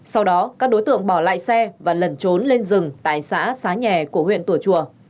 sau đó các đối tượng bỏ lại xe và lẩn trốn lên rừng tại xã xá nhà của huyện tùa chùa